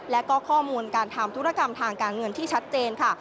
และก็ข้อมูลการทำธุรกรรมทางการเงินที่ชัดเจนค่ะ